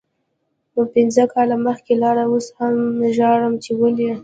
پنځه کاله مخکې لاړی اوس هم ژاړم چی ولې